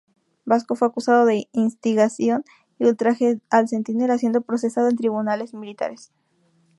Vasco fue acusado de instigación y ultraje al centinela, siendo procesado en tribunales militares.